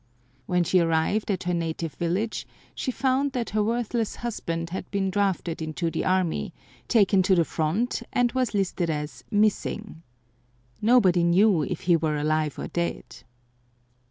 When she arrived at her native village she found that her worthless husband had been drafted into the army, taken to the front and was listed as "missing." Nobody knew if he were alive or dead.